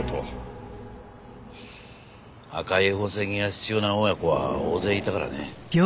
赤い宝石が必要な親子は大勢いたからね。